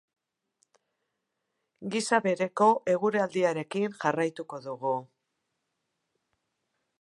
Gisa bereko eguraldiarekin jarraituko dugu.